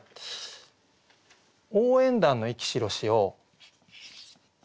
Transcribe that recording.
「応援団の息白し」を。